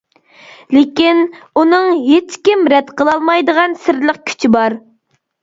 لېكىن، ئۇنىڭ ھېچكىم رەت قىلالمايدىغان سىرلىق كۈچى بار.